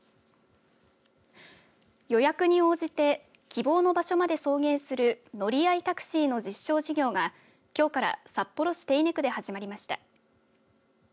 予約に応じて希望の場所まで送迎する乗り合いタクシーの実証事業がきょうから札幌市手稲区で始まりました。